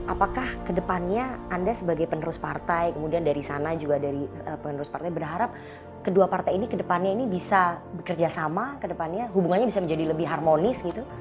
apakah kedepannya anda sebagai penerus partai kemudian dari sana juga dari penerus partai berharap kedua partai ini kedepannya ini bisa bekerja sama ke depannya hubungannya bisa menjadi lebih harmonis gitu